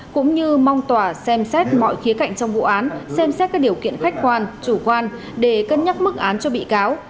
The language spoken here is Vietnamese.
cũng như mong tòa xem xét mọi khía cạnh trong vụ án xem xét các điều kiện khách quan chủ quan để cân nhắc mức án cho bị cáo